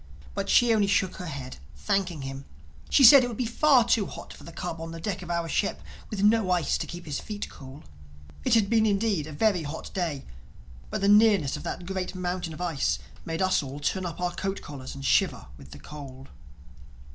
But she only shook her head, thanking him; she said it would be far too hot for the cub on the deck of our ship, with no ice to keep his feet cool. It had been indeed a very hot day; but the nearness of that great mountain of ice made us all turn up our coat collars and shiver with the cold.